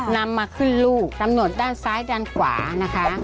นำมาขึ้นลูกกำหนดด้านซ้ายด้านขวานะคะ